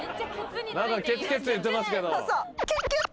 何かケツケツ言ってますけど。